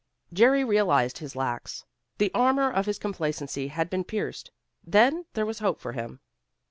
Jerry realized his lacks. The armor of his complacency had been pierced. Then there was hope for him.